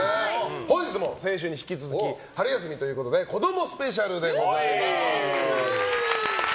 本日も先週に引き続き春休みということで子供スペシャルでございます。